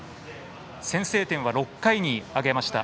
先制点は６回に挙げました。